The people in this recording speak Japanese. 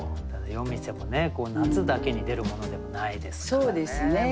夜店もね夏だけに出るものでもないですからね。